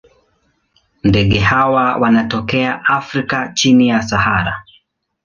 Ndege hawa wanatokea Afrika chini ya Sahara.